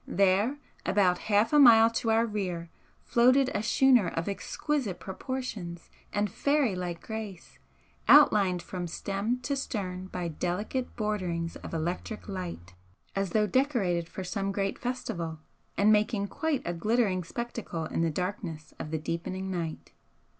There, about half a mile to our rear, floated a schooner of exquisite proportions and fairy like grace, outlined from stem to stern by delicate borderings of electric light as though decorated for some great festival, and making quite a glittering spectacle in the darkness of the deepening night.